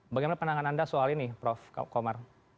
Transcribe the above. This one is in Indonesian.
bagaimana pandangan anda soal ini prof komar